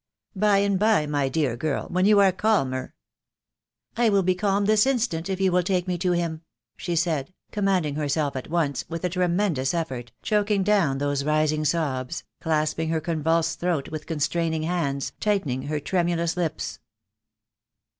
"By and by, my dear girl], when you are calmer." "I will be calm this instant if you will take me to him," she said, commanding herself at once, with a tremendous effort, choking down those rising sobs, clasp ing her convulsed throat with constraining hands, tighten ing her tremulous lips.